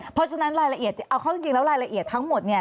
เพราะฉะนั้นรายละเอียดเอาเข้าจริงแล้วรายละเอียดทั้งหมดเนี่ย